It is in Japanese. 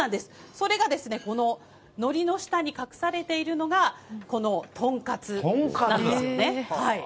それがこののりの下に隠されているのが、この豚カツなんですよね。